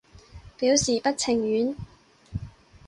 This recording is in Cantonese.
表示不情願